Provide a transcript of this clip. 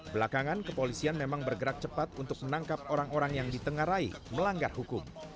belakangan kepolisian memang bergerak cepat untuk menangkap orang orang yang ditengarai melanggar hukum